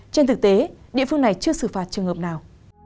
trên thực tế địa phương này chưa xử phạt trường hợp nào